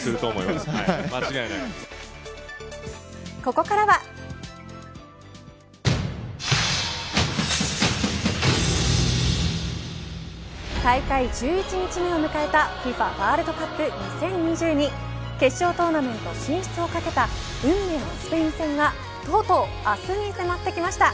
ここからは大会１１日目を迎えたＦＩＦＡワールドカップ２０２２決勝トーナメント進出をかけた運命のスペイン戦がとうとう明日に迫ってきました。